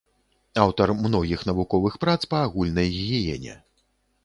Аўтар многіх навуковых прац па агульнай гігіене.